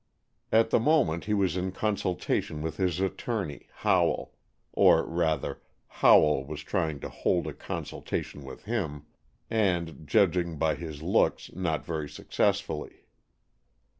At the moment he was in consultation with his attorney, Howell, or, rather, Howell was trying to hold a consultation with him, and, judging by his looks, not very successfully.